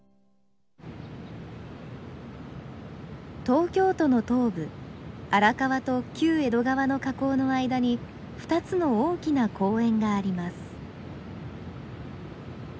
東京都の東部荒川と旧江戸川の河口の間に２つの大きな公園があります。